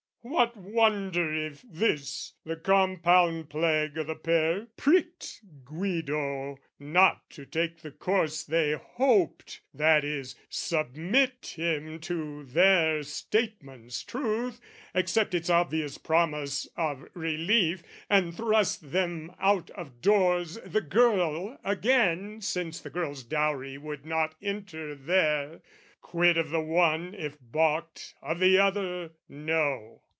What wonder if this? the compound plague o' the pair Pricked Guido, not to take the course they hoped, That is, submit him to their statement's truth, Accept its obvious promise of relief, And thrust them out of doors the girl again Since the girl's dowry would not enter there, Quit of the one if baulked of the other: no!